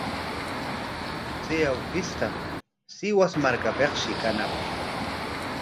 Chay awkishqa Sihuas markapikshi kañaq.